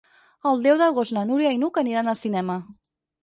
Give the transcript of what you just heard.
El deu d'agost na Núria i n'Hug aniran al cinema.